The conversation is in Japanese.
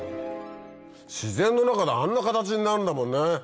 自然の中であんな形になるんだもんね。